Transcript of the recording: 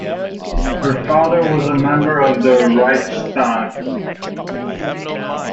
Her father was a member of the Reichstag.